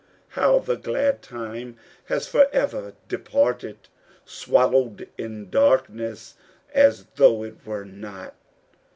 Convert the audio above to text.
How the glad time has forever departed, Swallowed in darkness, as though it were not!